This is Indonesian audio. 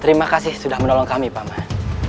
terima kasih sudah menolong kami paman